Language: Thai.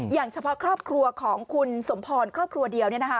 อย่างเฉพาะครอบครัวของคุณสมพรครอบครัวเดียว